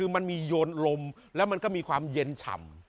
มันมีโยนลมแล้วมันก็มีความเย็นฉ่ำ